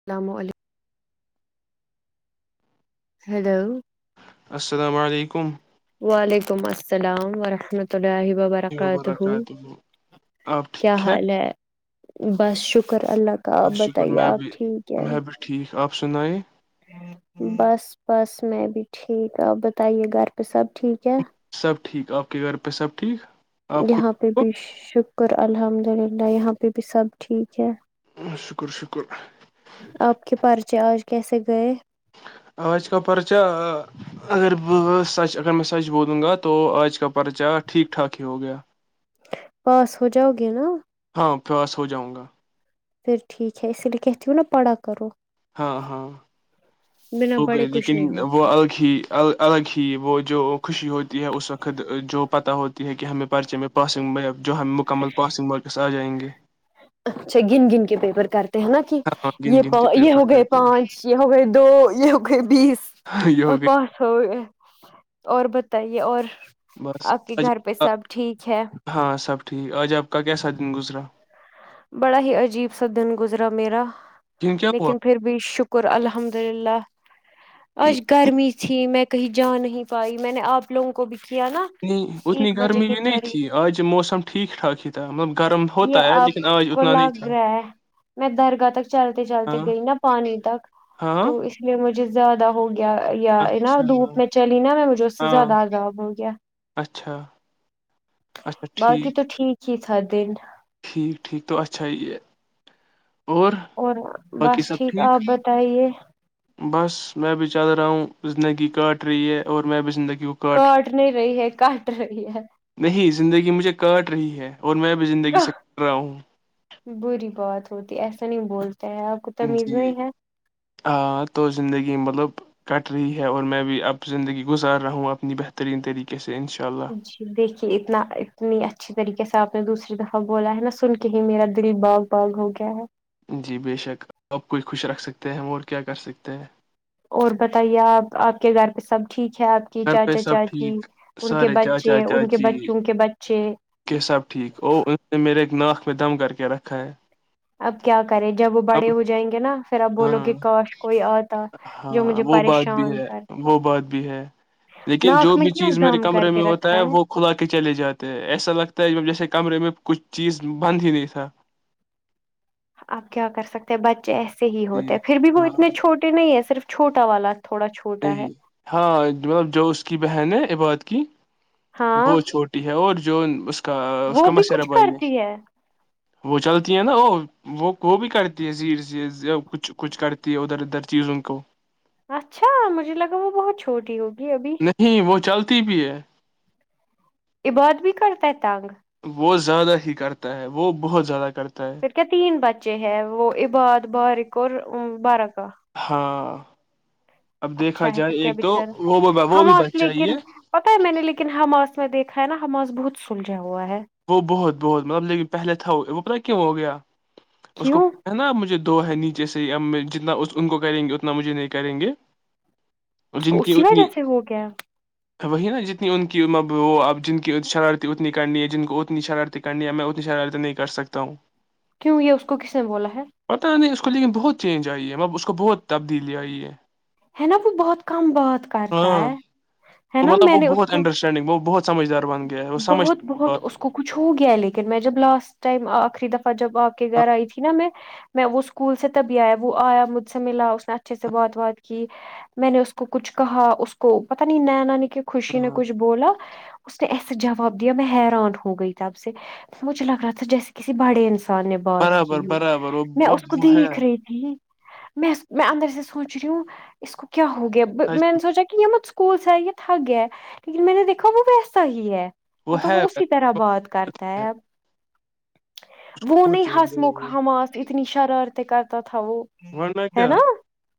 السلام علیکم ہیلو السلام علیکم ویک ولم السلام ورحمۃ اللہ اہبہ برکات ہو وبرکاتہ آپ کیا ٹھیک حال ہے بس شکرہ اللہ کا آپ شکر بتائیے میں آپ بھی ٹھیک ہے میں بھی ٹھیک آپ سنائیے بس بس میں بھی ٹھیک ہ آپ بتائیے گھر پہ سب ٹھیک ہے ب ٹھیک آپ کے گھر پہ سب ٹھیک آپ خود یہاں پہ بھی ٹھیک شک شکر الحمد للہ یہاں پہ بھی سب ٹھیک ہے شکر شکر چار آج کی سے گے آج کا پرچہ اگر سچ اگر میں سچ بولوں گا تو آج کا پرچہ ٹھیک ٹھاک ہی ہو گیا پاس ہو جاؤ گے نا ہاں پواس ہو جاؤں گا پھر ٹھیک ہے اسی لیے کہ ت نا پڑھا کرو ہاں ہاں بنا وہ پڑھے بھی کچھ لیکن نہیں ہوتا وہ الگ ہی ال الگ ہی وہ جو خوشی ہوتی ہے اس وقت جو پت ہوتی ہے کہ ہمیں پرچے میں پاسنگ میں جو ہم مکمل پاسنگ مورکس آ جائیں گے ب کر نا کہ گن یہ گن کے یہ پیپر ہو گئے کرتے پانچ یہ ہو گئے دو یہ ہو گئے بیس ہیں یہ اور ہو پانچ ہو گئے اور بتائیے اور گئی بس آپ کے آج۔ گھر پہ سب ٹھیک ہے ہاں سب ٹھیک آج آپ کا کیسا دن گزرا بڑا ہی عجیب سا دن گزرا میرا دن کیا ہوا لیکن پھر بھی شکر الحمد للہ آج گرمی تھی میں کہیں جا نہیں پائی میں نے آپ لوگوں کو بھی کیا نا اتنی ایک بجے گرمی کے بھی نہیں تھی قریب آج موسم ٹھیک ٹھاک ہی تھا مطلب گرم ہوتا یہ ہے آپ لیکن آ کو لگ رہا ہے میں درگاہ تک چلتے چلتے ہاں گئی نا پانی تک ہاں تو اس لیے مجھے زیاد ہوگیا یا یا نا اچھا دھوپ میں چلی نا میں مجھے اس سے ہاں زیادہ عزاب ہووں گیا اچھا اچھا باقی ٹھیک تو ٹھیک ہی س دن ٹھیک ٹھیک تو اچھا یہ اور باقی بس سب ٹھیک آپ بتائیے بس میں بھی چل رہا ہوں زندگی کاٹ رہی ہے اور میں بھی زندگی کاٹ رہ نہیں رہی ہے کاٹ رہی ہے نہیں زندگی مجھے کاٹ رہی ہے اور میں بھی زندگی سے کر رہا ہوں بری بات ہوتی ایسا نہیں بول جی ہاں تو زندگی مطلب کٹ رہی ہے اور میں بھی اب زندگی گزار رہا ہوں اپنی بہترین طریقے سے انشاء اللہ جی دیکھیے اتنا اتنی اچھی طریقے سے آپ نے دوسری دفعہ بولا ہے نا سن کے ہی میرا دل باغ باغ ہو گیا ہے جی بے شک آپ کوئی خوش رکھ سکتے ہیں ہم اور کیا کر سکتے ہیں اور بتائیے آپ آپ کے گھر پہ سب ٹھیک ہے آپ کی گھر پہ چاچا سب چاچی ٹھیک ان کے سارے چاچا بچے ان کے چاچی بچوں کے بچے کے سب ٹھیک ا ان میرے ایک ن اس میں دم کر کے رکھا ہے اب کیا کرے جب وہ بڑے اب ہو جائیں گے نا پھر اپ بولو ہاں کہ کاشٹ کوئی آتا جو ہاں مجھے وہ بات بھی پریشان ہے کرتا وہ بات بھی ہے لیکن ناک جو میں بھی کیوں چیز میرے دم کر کمرے کے میں ہوتا رکھا ہے وہ کھلا کے چلے جاتے ہیں ایسا لگتا ہے جب جیسے کہ کمرے میں کچھ چیز بند ہی نہیں تھا آپ کیا کر سکتے ہیں بچے ایسے ص ہی جی ہوتا پھر بھی وہ ہاں اتنے چھوٹے نہیں ہیں صرف چھوٹا والا تھوڑا چھوٹا ہے نہیں ہاں مب جو اس کی بہن ہے عباد کی ہاں وہ چھوٹی ہے اور جو اس کا اس وہ کا بھی مشرہ کچھ بھائی کرتی ہے وہ چلتی ہے نا وہ وہ وہ بھی کرتی ہے زیر کچھ کچھ کرتی ہے ادھر ادھر چیزوں کو اچھا مجھے لگا وہ بہت چھوٹی ہوگی ابھی نہیں وہ چلتا تی بھی ہے عباد بھی کرتا ہے تگ وہ زیادہ ہی کرتا ہے وہ بہت زیادہ کرتا ہے پھر کیا تین بچے ہیں وہ عباد بارق اور بارہ کا ہاں اب دیکھا اچھا ہے پھر جائے کیا ایک تو بیچارا وہ وہ بھی حماس بچ چاہیے لیکن پتا ہے میں نے لیکن حماس میں دیکھ نا ہم آج بہت سل جاں وہ بہت بہت مطلب لیکن پہلے تھا وہ وہ اپ کیا ہو گیا اس کو کیوں پتا ہے نا آ مجھے دو ہے نیچے سے ہی اب میں جتنا اس ان کو کریں گے اتنا مجھے نہیں کریں گے اس کو جن کی اسی اتنی وجہ سے ہو گیا وہی نا جتنی ان کی وہ اب جن کی شرارتی اتنی کرنی ہے جن کو اتنی شرارتی کرنی ہے میں اتنی شرارتی نہیں کر سکتا ہوں کیوں یہ اس کو کس نے بولا ہے پتہ نہیں اس کو لیکن بہت چینج آئی ہے م اس کو بہت تبدیلی آئی ہے ہے نا وہ بہت کام بات کرتا ہاں ہے ہے تو نا مطلب میں وہ نے اس بہت کو انڈرسٹینڈنگ وہ بہت سمجھدار بن گیا ہے وہ سمجھ بہت بہت اس کچھ ہو گیا ہے لیکن میں جب لاسٹ ٹائم آخری دفع جب آ کے گھر آئی تھی نہ میں میں وہ اسکول سے تبھی آیا وہ آیا مجھ سے ملا اس نے اچھے سے بات بات کی میں نے اس کو کچھ کہا اس کو پت نہیں نیا ن ن کہ خوشی نے ہاں، کچھ بولا ایسا جواب دیا میں حیران ہو گئی تب سے مجھے لگ رہا تھا جیسے کسی بڑے انسان نے بات برابر کی ہوں برابر وہ میں اس مب کو وہ ہے دیکھ رہی تھی میں میں اندر سے سوچ رہی ہوں اس کو کیا ہو گیا سچ، میں نے سوچا کہ یہ کول س تھک گیا ہے لیکن میں نے دیکھا وہس صحیح ہے مطلب وہ اسی طرح بات کرتا ہے اب وہون بہت چینج آئی ہسمکھ ہے حماس اتنی شرارتی کرتا [unintelligible] ورنہ کیا ہے نا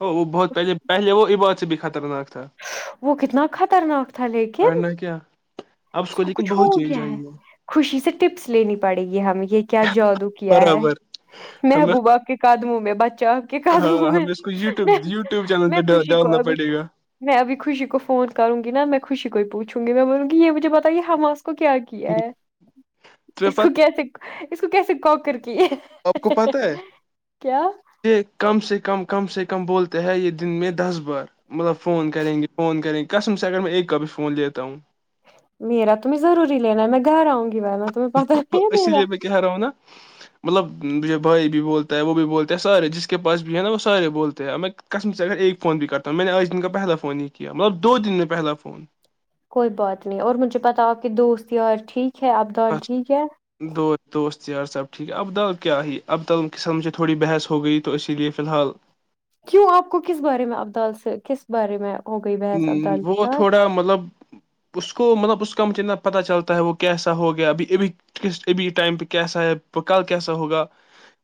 وہ بہت پہلے پہلے وہ ای بات سے بھی خطرناک تھا وہ کتنا خطرناک تھا لیکن ورنہ کیا اب اس کو لیکن کچھ ہو بہت چینج گیا ہے آئی خوشی سے ٹپس لینی پڑے گی ہم یہ کیا جادو کیا ہے برابر ہمیں محبوبہ کے قدموں میں بچے جا کے کہ دوں ہاں ہمیں اس کو میں یوٹیوب یوٹیوب چینل میں پہ ڈال- خوشی کو ڈالنا ابھی پڑے گا میں ابھی خوشی کو فون کروں گی نا میں خوشی کو ہی پوچھ چونگے کا مطلب بتائیے ہماس کو کیا کیا ہے تو اس پ کو کیسے اس کو کیسے کا کر کے آپ کو پتا ہے کیا یہ کم سے کم کم سے کم بولتے ہیں یہ دن میں دس بار مطلب فون کریں گے فون کریں گے قسم سے اگر میں ایک کاپی فون لیتا ہوں میرا تمہیں ضوری لینا ہے میں گھر آؤں گی ورنہ تمہیں پتہ نہیں ہے اسی میرا لیے میں کہ رہا ہوں نا مطلب جب بھائی بھی بولتا ہے وہ بھی بولتا ہے سارے جس کے پاس بھی ہے نا وہ سارے بولتے ہیںب میں قسم سے اگر ایک فون بھی کرتا ہوں میں نے آج دن کا پہلا فون ہی کیا مطلب دو دن میں پہلا فون کوئی بات نہیں اور مجھے پتاو آپ کہ دوست یار ٹھیک ٹیک ہے عبدال بس ٹھیک ہے دو دوست یار صاحب ٹھیک ہے عبدال کیا ہے عبدال قسم سے تھوڑی بحث ہو گئی تو اسی لیے فی الحال کیوں آپ کو کس بارے میں ابدال سے کس بارے میں ہو گئی بحث ہ ابدال وہ کے ساتھ تھوڑا مطلب اس کو مطلب اس کا مجھےنا پتا چلتا ہے وہ کیسا ہو گیا ابھی ابھی ک ابھی ٹائم پہ کیسا ہے کل کیسا ہوگا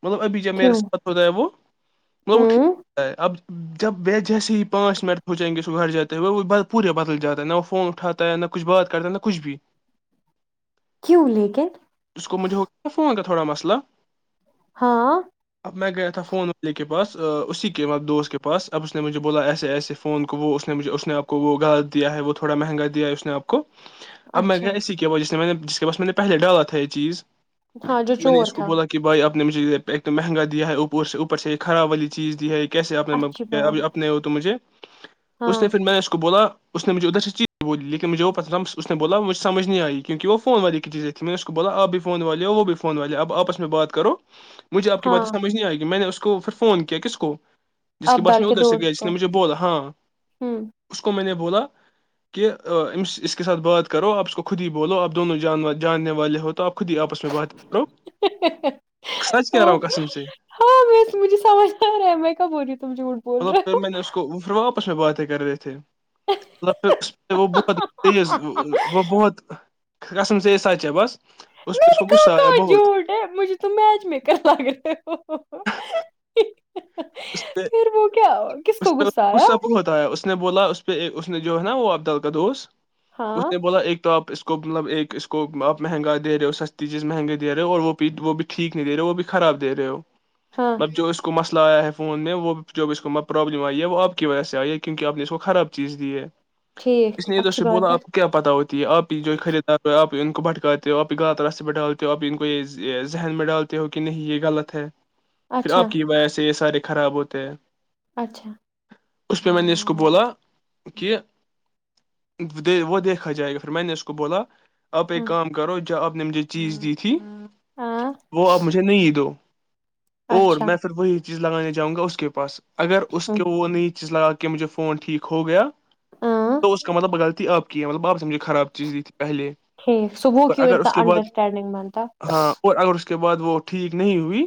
مطلب ابھی جب میرے کیوں ساتھ ہوتا ہے وہ مطلب وہ ٹھیک ہوں ہوتا ہے اب جب و جیسے ہی پانچ منٹ ہوچائیں گے اس گھر جاتا ہے وہ وہ پورے بدل جاتا ہے نہ وہ فون اٹھاتا ہے نہ کچھ بات کرتا ہے نہ کچھ بھی کیوں لیکن اس کو مجھے ہو کیایا فون تھوڑا مسئلہ ہاں اب میں گیا تھا فون والے کے بس اسی کے دوست کے پاس اب اس نے مجھے بولا ایسے ایسے فون وہ اس نے اس نے آ کو وہ غلط دیا ہے وہ تھوڑا مہنگا دیا ہے اس نے آپ کو اب میں اچھا گیا اسی کی وج جس نے میں نے جس کے پاس میں نے پہلے ڈالا تھا یہ چیز ہاں جو چور تھا ایکم مہنگا دیا ہے او سے اوپر سے ایک خراب والی چیز دی ہے کیسے اچھی اپنے بات اپنے ہو تو مجھے اس ہاں نے پھر میں اس کو بولا اس نے مجھ ادھر سے چیز بولی لیکن مجھے وہ پتا تھا اس نے بولا مجھ سمجھ نہیں آئی کیونک وہ فون والے کی چیزیں تیں میں نے اس کو بولا آپ بھی فون والے ہو وہ بھی فون والے اپ آپس میں بات کرو مجھ آپ ہاں باتیںمجھ نہیں آ گی میں نے اس کو پھر فون کیا کس کو جس کے بعس ابدال میں ادھر سے گیا دوست جس کو نے مجھے بولا ہاں ہوں اس کو میں نے بولا کہ اس کے ساتھ بات کرو اپ اس کو خود ہی بولو اپ دونوں جاننے والے ہو تو اپس میں بات کرو سچ کہہ، رہا ہوں قسم سے بو [inaudible] مطلب پھر میں نے اس کو باتیں کر رہے تھے [inaudible] [inaudible] تو [inaudible] تیز وہ بہت قسم سے یہ سچ ھے بس اس میں پہ اس نے کو غصہ کہاں آیا کہاں بہت جھوٹ ہے مجھے تو میچ مےکر لگ رھےھو [inaudible] اسپے اس سے غصہ بھت آیا اس نے بولا اس اس نے جو ہے نا وہ عبدال کا دوست اس ہاں نے بولا ایک تو آپ اس اس کو مطلب ایک اس کو آپ مہنگا دے ہو سستی چیز مہنگی دے رہے ہو اور وہ بھی وہ بھی ٹھیک نہیں دے رہے ہو وہ بھی خراب د رہے ہو ہاں اب جو اس کو مسلہ لایا ہے فون میں وہ جب اس کو پرابلم آئی ہے وہ آپ کی وجہ سے آئی ہے کیونہ آپ نے اس کو خراب چیز دی ہے ٹھیک اس نے ادھر اچھی سے بات بولا ہے آپ کو کیا پتہ ہوتی ہے آپ ہی جو خریدار ھو اب تو ان کو بھٹکاتے ہو اب ان کو یہ ذہن میں ڈالتے ہو کہ نہیں یہ غلط ہے پھر اچھا آپ کی وجہ سے یہ سارے خراب ہوتے ہیں اچھا اس پہ میں نے اس کو بولا کہ وہ دیکھا جائے گا اور میں نے اس کو بولا آپ ایک ہ کام کرو جو آپ نے مجھے چیز دی تھی ہاں وہ اپ مجھے نہیںید اور اچھا میں صرف وہی چیزگانے جاؤں گا اس کے پاس اگر اس ہوں، کے وہ نئی چیز لگا کے کہ مجھے فون ٹھیک ہو گیا ہاں تو اس کا مطلب غلطی اپ کی ہے مطلب اپ سمجھے خراب چیز دی تھی پہلے صبح اور کی اگر اس کے بعد ہاں اور اگر اس کے بعد وہ ٹھیک نہیں ہوئی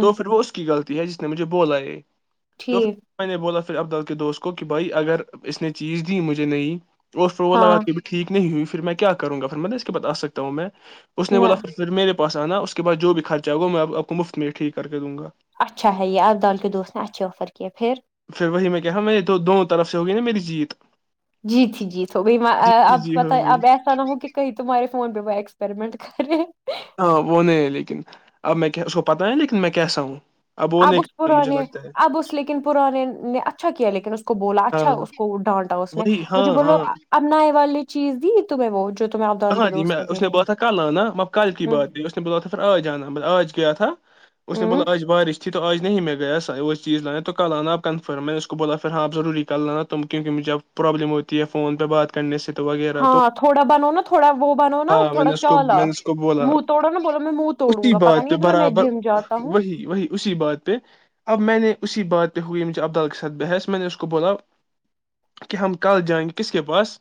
تو پھر وہ اس کی غلط تی نے مجھے بولا ہے تو ٹھیک نے بولا ابدال کے دوست کو کہ بھائی اگر اس نے چیز دی مجھے نہیںئی تو پھر وہ لگا ہاں کہھی ٹیک نہیں ہوئی پھر میں کیا کروںا پھر میںب اس کے بد آکتا ہوں میں اس نے نہ بولا پھر پھر میرے پا آنا اس کے بع جو بھی خرچ ہو وہ میں آپ کو مفت میں ٹیک کراوں کر دوں گا اچھا ہے یہ ابدال کے دوست نے اچھے آفر کیے پھر پھر وہی میں کہ میں تو دونوں طرف سے ہوگی نا میری جیت جی تھی جی تو ب جی اب جی پت ہو گئی اب ایسا نہ ہو کہ کہیں تمہارے فون پہ وہ ایکسپریمنٹ کرے ہاں وہ نہیں ہے لیکن اب میں اس کو پتا ہے لیکن میں کیسا ہوں وہ اب نہیں اس کرے گا مجھے پرانے لگتا ہے اب اس لیکن پرانے نے اچھا کیا لیکن اس کو بولا ہاں اچھا اس کو ڈانٹا اس نے وہی ہاں مجھے بولو ہاں اب نائے وال نے چیز دی میں وہ جو تمہیں ابدال کے کہاں جی دوست میں کو اس نے دینی میں باتان کلان مطب ک کی ہ بات اس میں باتان پھر آج آہان آج کیا تھا اس میں ب ہ مطلب آج بارش اھی تو آج نہیں میں گیا سا وہ چیز لا تو کل آنا آپ کنفرم میں نے اس کو بولا پھر ہاں آپ ضور کل لانا تم کیونہ مجھےب پرابلم ہوتی ہے فون پہ بات کرنے سے تو وغیرہ تو ہاں تھوڑا بنو نا تھوڑا وہ بنو نا ہاں میں نے تھوڑا اس کو میں نے چالاک اس کو بولا منہ ا توڑو نا بولو میں منہ توڑوں اسی گا پتا بات نہیں پہ ہے تمہیں میں برابر جم جاتا ہوں وہی وہی اسی بات پہ اب میں نے اسی بات پہ ہوئی عبدالقسد بحث میں نے اس کو بولا کہ ہم کل جائیں گے کس کے پاس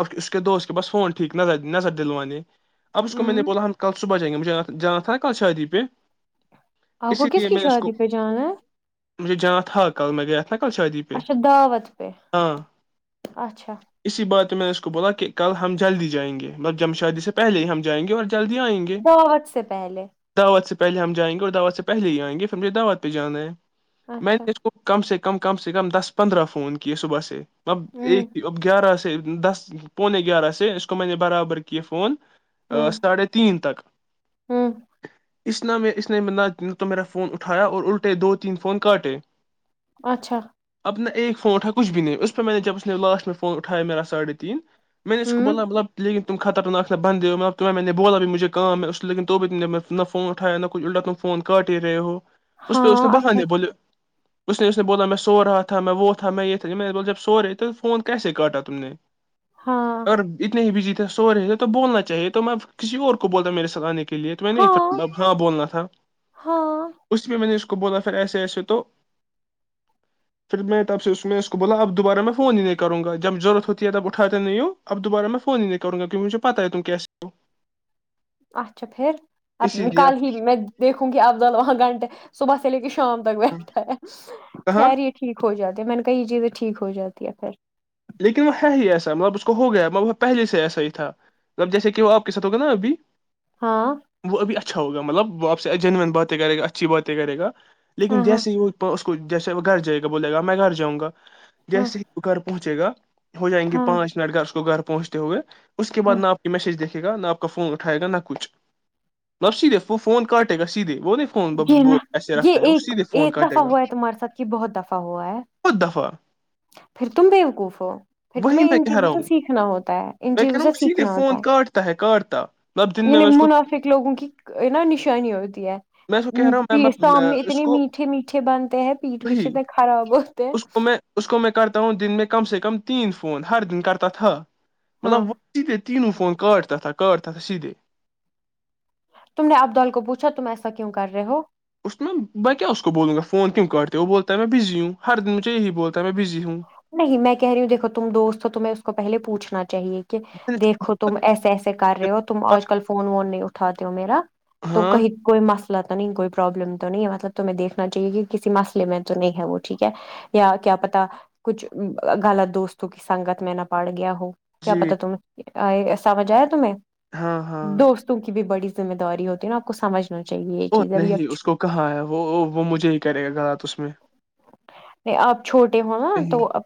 آپ اس کے دوست کے پاس فون ٹھیک نہ نہ س دلوانی اب اس کو میں نے ہ بولا ہم کلبحائیں گے مھے جانا تھا نا کل شادی پہ آپ کو اسی کس لیے کی میں نے اس کو شادی پہ جانا ہے مجھے جانا تھا کل میں گیا تھا نا کل شادی پہ اچھا دعوت پہ ہاں اچھا اسی میں بات نے اس کو بولا کہ کل ہم جلدی جائیں گے مطلب جم شادی سے پلے ہی ہم جائیں گے اور جلدی آئیں بہت سے پہلے پہے ہم جائیں گے اور دعواد سے پلے ہی آیں گے پھر ہمھے دعو پہ جانا ہے میں اچھا نے اس کو کم سے کم کم سے کم دس پندرہ فون کیے صبح سے اب ہوں ایک اب گیارہ سے دس پونے گیارہ سے اس کو کمۂ نے برابر ک فون ہوں ا ساڑھے تین تک ہوں اس نہ میں اس نے نہ تو میرا فون اٹھایا اور الٹے دو تین فون کاٹے اچھا ایک فون اٹھا کچھ بھی نہیں اس پہ میں نے جب اس نے لاسٹ میں فون اٹھایا میرا ساھ تین میں نے اس کو ہوں بوللا مطب لیکن تم خطرنا بند ہو تم میں نے بولا بھیھ مجھے کا ہے اس لیکن تو بھی نے نہ فونٹایا نہ کچ اٹا تم فون کاٹ ہی رہے ہو اس پہ اس نے ہاں اچھا بہانے بولے اس نے اس نے بوللا م میں س رہا تھا میں وہ تھا میں یہ تھا میں نے بول جب سورے تو فون کیسے کاٹا تم نے ہاں اور بزی تھے سو رہے تھ تو بولنا چاہیے تو میں کسی اور کو بولتا میرے سلاانے کے لیے تو میں نہیںب ہاں بولنا تھا ہاں اسی پہ میں نے اس کو بولا پھر ایسے ایسے تو پھر میں تب سے اس میں اس کو بولا اب دوبارہ میں فون ہی نہیں کروں گا جب ضرورت ہوتی ہے تب اٹھاتے نہیںوں اب دوبارہ میں فون نہیں کروں کیونکہ مجے پتہ ہے تم کی ہو اچھا پھر اب کل ہی میں دیکھوں گی ابض وہاں گھنٹے صبح سے لے کے شام تک بیٹھا ہے کہاں خہری یہ ٹھیک ہو جات جی میں نے کہا یہ چیزیں ٹھیک ہو جاتی ہے پھر لیکن وہ ہے ہی ایسا مطلب اس کو ہو گیا مطب وہ پہلے سے ایسا ہی تھا مب جیسے کہ وہ آپ کے ساتھ ہوگا نا ابھی ہاں وہ ابھی اچھا ہوگا مطلب وہ آپ سے جینوئن باتیں کرے گا اچھی باتیں کرے گا لیکن ہاں ہاں جیسے وہ اس کو جیسے وہ بول گا میں گھر جاں گا ہاں جیسے ہی وہ گھر پہنچے گا ہو جائیں گے ہاں پانچ منٹ اس کو گھر پہنچتے ہوئے اس کے بع ہاں میں آپ کی میسج دیکھی گا نہ آپ کا فون اٹھائے گا نہ کچھ مطب سیدھے فون کاٹے گا سیدھے وہ نہیں فون یہ وہ نا ایسے رکھتا یہ ہے وہ ایک سیدھے فون ایک دفع کاٹے گا ہوا ہے تمہارے ساتھ کہ بہت دفع ہوا ہے بہت دفعہ پھر تم بوقوف ہو پھر وہی تمہیں میں ان کہہ چیزوں رہا سے ہوں سیکھنا ہوتا ہے ان میں کہہ چیزوں رہا ہوں سے وہ سیدھے سیکھنا ہوتا فون کاٹتا کاٹتا مطلب دن ہے میں یعنی میں اس کو منافک لوگوں کی نا نشانی ہوتی ہے میں اس کو کہہ رہا ہوں میں میں سامنے اس اتنے کو میٹھے میٹھے بنتے ہیں پیٹھ وہی پیچھے سے خراب ہوتے ہیں اس کو میں اس کو میں کرتا ہوں دن کم سے کم تین فون ہر دن کرتا تھا مطلب ہاں وہ تینووں فون کاارڈ تھا سیدھے تم نے ابدال کو پوچھا تم ایسا کیوں کر رہے ہو اس میں کیا اس کو بولوں گا فون کیم کاٹتے وہ بولتا ہے میں بزی ہوں ہر دن مجھے یہی بولتا ہے میں بزی ہوں نہیں میں کہہ رہی ہوں دیکھو تم دوست ہو تمہیں اس کو پہلے پوچھنا چاہیے کہ دیکھو تم ایسے ایسے کر رہے ہو تم آج کل فون وون نہیں اٹھاتے ہو میرا تو ہاں کہیں کوئی مست تو نہیں کوئی پرابلم تو نہیں ہے مطلب تمہیں دیکھنا چاہیے کہ کسی مسئے میں تو نہیں ہے وہ ٹھیک ہے یا کیا پتا کچھ غلط دوستوں کی سنگت میں نہ پڑھ گیا ہو کیا جی پتا تم سمجھ آیا تمہیں ہاں ہاں دوستوں کی بھی بڑی ذمہ داریتی نا آ کو سمجھ او نہیں اس کو کہاں ہے وہ وہ مجھے ہی کرے گا غلط اس میں نہیں، آپ چھوٹے ہو نا تو نہیں اب